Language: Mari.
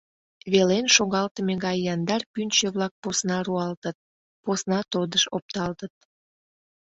Велен шогалтыме гай яндар пӱнчӧ-влак посна руалтыт, посна тодыш опталтыт.